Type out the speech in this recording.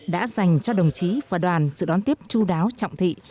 đã dành cho đồng chí và đoàn sự đón tiếp chú đáo trọng thị